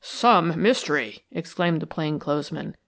"SOME mystery!" exclaimed the plain clothes man.